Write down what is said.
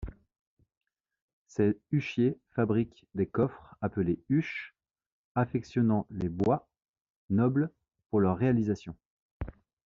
Ces huchiers fabriquaient des coffres, appelés huches, affectionnant les bois nobles pour leur réalisation.